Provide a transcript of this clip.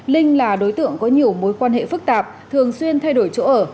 linh là đối tượng có nhiều mối quan hệ phức tạp thường xuyên thay đổi chỗ ở